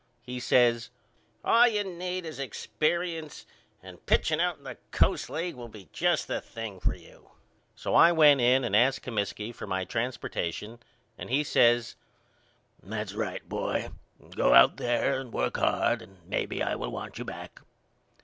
He says All you need is experience and pitching out in the Coast League will be just the thing for you. So I went in and asked Comiskey for my transportation and he says That's right Boy go out there and work hard and maybe I will want you back.